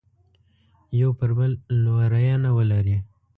یو پر بل لورینه ولري.